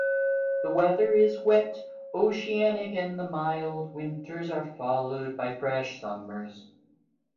The weather is wet oceanic and the mild winters are followed by fresh summers.